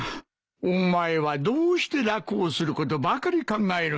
お前はどうして楽をすることばかり考えるんだ。